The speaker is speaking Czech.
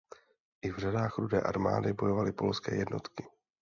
I v řadách Rudé armády bojovali polské jednotky.